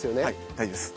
大丈夫です。